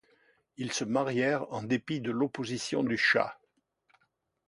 Ils se marièrent en dépit de l’opposition du chah.